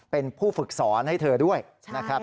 เป็นผู้ฝึกสอนให้เหลือด้วยใช่